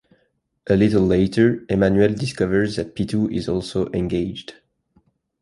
A little later, Emmanuel discovers that Pitou is also engaged.